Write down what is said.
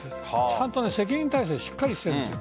ちゃんと責任体制がしっかりしてるんです。